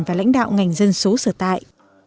và lãnh đạo ngành dân số sở tại